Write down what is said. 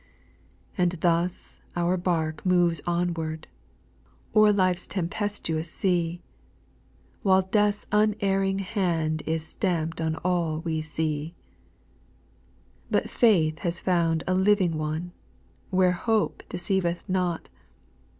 6. And thus our bark moves onward. O'er life's tempestuous sea. While death's unerring hand Is stamp'd on all we see : But faith has found a living One, Where hope deceiveth not.